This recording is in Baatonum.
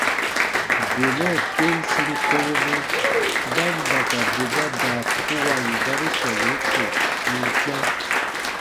Benɛ tem siri kowobu ba n da ka bè ba daa kuwan gari sɔmburu ko n n kpã.